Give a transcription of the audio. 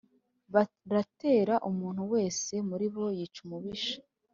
baratera, umuntu wese muri bo yica umubisha